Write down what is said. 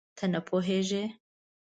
ته نه پوهېږې؟